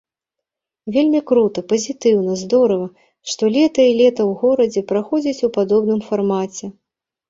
Вельмі крута, пазітыўна, здорава, што лета і лета ў горадзе праходзіць у падобным фармаце.